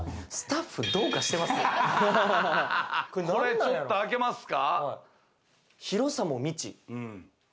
これちょっと開けますか？